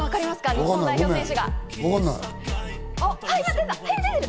日本代表選手。